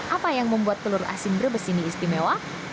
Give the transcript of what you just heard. apa yang membuat telur asin brebes ini istimewa